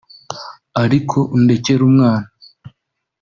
ariko undekere umwana